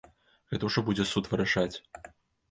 Гэта ўжо будзе суд вырашаць.